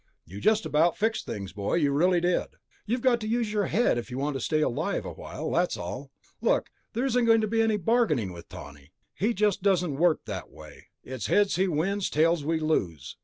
"You just about fixed things, boy, you really did. You've got to use your head if you want to stay alive a while, that's all. Look, there isn't going to be any bargaining with Tawney, he just doesn't work that way. It's heads he wins, tails we lose.